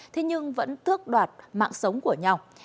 thế nhưng vẫn thước đoạt mạng sống của nhau